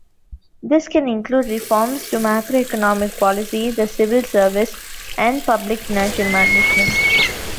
This can include reforms to macroeconomic policy, the civil service, and public financial management.